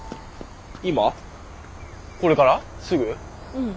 うん。